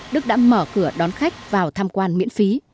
đức đã mở cửa đón khách vào tham quan miễn phí